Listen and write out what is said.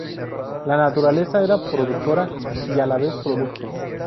La naturaleza era productora y, a la vez, producto.